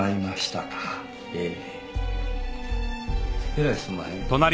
えらいすんまへん。